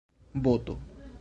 boto